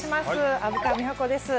虻川美穂子です。